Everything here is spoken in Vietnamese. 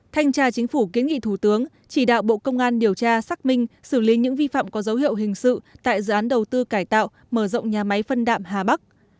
thanh tra chính phủ kiến nghị thủ tướng chỉ đạo bộ công an điều tra xác minh xử lý những vi phạm có dấu hiệu hình sự tại dự án đầu tư cải tạo mở rộng nhà máy phân đạm hà bắc